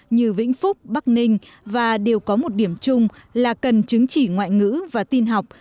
như vĩnh phúc bắc ninh và đều có một điểm chung là cần chứng chỉ ngoại ngữ và tin học